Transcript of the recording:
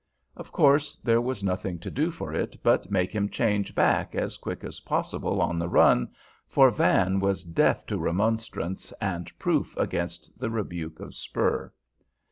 Of course there was nothing to do for it but make him change back as quick as possible on the run, for Van was deaf to remonstrance and proof against the rebuke of spur.